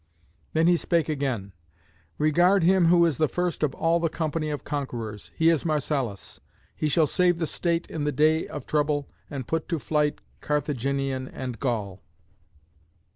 Then he spake again: "Regard him who is the first of all the company of conquerors. He is Marcellus; he shall save the state in the day of trouble, and put to flight Carthaginian and Gaul."